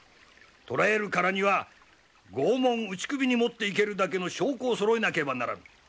捕らえるからには拷問打ち首に持っていけるだけの証拠をそろえなければならぬ。